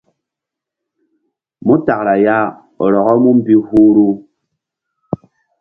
Mu takra ya rɔkɔ mú mbi huhru.